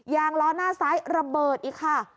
ล้อหน้าซ้ายระเบิดอีกค่ะ